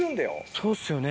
そうっすよね。